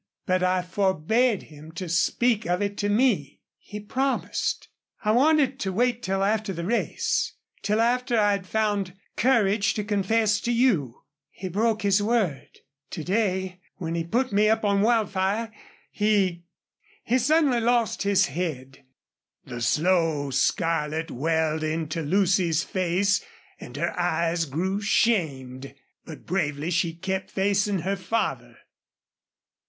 "But I forbade him to speak of it to me. He promised. I wanted to wait till after the race till after I had found courage to confess to you. He broke his word.... Today when he put me up on Wildfire he he suddenly lost his head." The slow scarlet welled into Lucy's face and her eyes grew shamed, but bravely she kept facing her father.